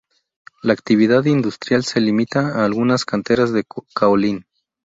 La actividad industrial se limita a algunas canteras de caolín.